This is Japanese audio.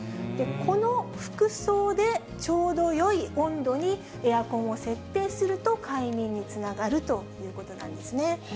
この服装でちょうどよい温度にエアコンを設定すると快眠につながるということなんですね。